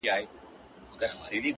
ستا د شعر دنيا يې خوښـه سـوېده;